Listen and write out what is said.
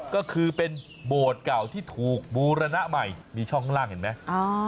ก็คือเป็นโบสถ์เก่าที่ถูกบูรณะใหม่มีช่องข้างล่างเห็นไหม